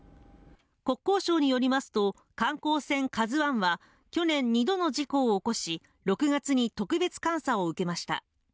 国交省によりますと観光船「ＫＡＺＵ１」は去年２度の事故を起こし６月に特別監査を受けました